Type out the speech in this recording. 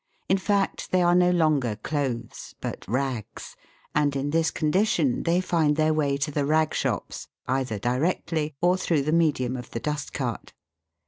In fact they are no longer clothes but " rags," and in this condition they find their way to the rag shops, either directly, or through the medium of the dust cart.